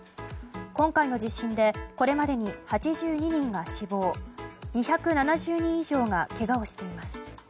今回の地震でこれまでに８２人が死亡２７０人以上がけがをしています。